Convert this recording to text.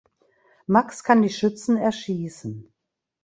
Max kann die Schützen erschießen.